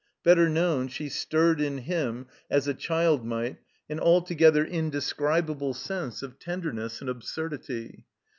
Better known, she stirred in him, as a child might, an altogether indescribable sense of tenderness and absurdity.